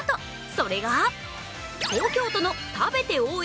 それが東京都の食べて応援！